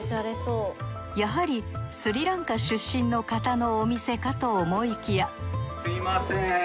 やはりスリランカ出身の方のお店かと思いきやすみません。